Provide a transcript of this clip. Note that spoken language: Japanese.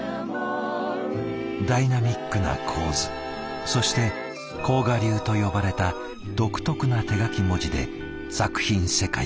ダイナミックな構図そして甲賀流と呼ばれた独特な手描き文字で作品世界を表現。